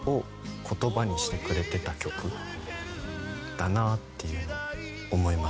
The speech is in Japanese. だなっていうのを思います